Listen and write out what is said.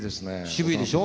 渋いでしょ。